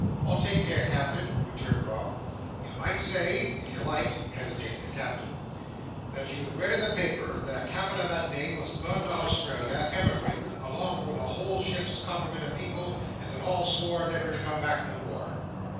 "I'll take care, Captain," returned Rob. "You might say—if you liked," hesitated the Captain, "that you'd read in the paper that a Cap'en of that name was gone to Australia, emigrating, along with a whole ship's complement of people as had all swore never to come back no more."